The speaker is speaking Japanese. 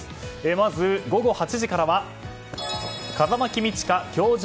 まず、午後８時からは「風間公親‐教場